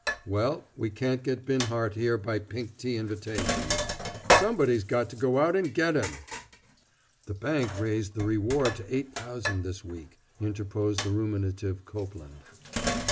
"Well, we can't get Binhart here by pink tea invitations. Somebody's got to go out and get him!" "The bank raised the reward to eight thousand this week," interposed the ruminative Copeland.